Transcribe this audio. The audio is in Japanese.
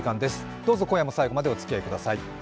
どうぞ今夜も最後までおつきあいください。